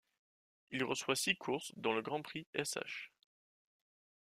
Il reçoit six courses, dont le Grand Prix Sh.